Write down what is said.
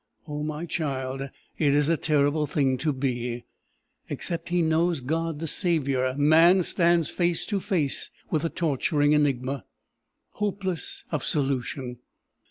Oh my child, it is a terrible thing to be! Except he knows God the saviour, man stands face to face with a torturing enigma, hopeless of solution!